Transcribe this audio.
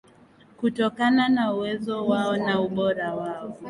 kutokana na uwezo wao na ubora wao